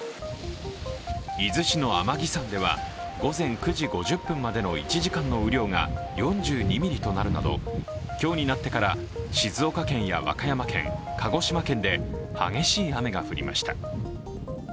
伊豆市の天城山では午前９時５０分までの１時間の雨量が４２ミリとなるなど、今日になってから静岡県や和歌山県、鹿児島県で激しい雨が降りました。